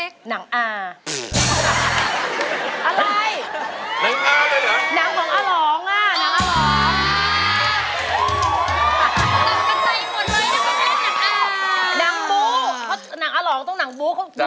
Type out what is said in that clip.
ครับ